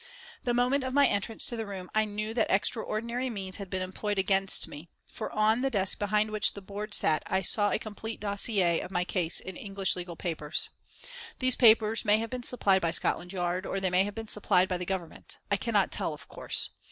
The moment of my entrance to the room I knew that extraordinary means had been employed against me, for on the desk behind which the Board sat I saw a complete dossier of my case in English legal papers. These papers may have been supplied by Scotland Yard, or they may have been supplied by the Government. I cannot tell, of course.